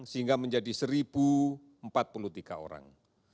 sehingga menjadi satu empat puluh tiga orang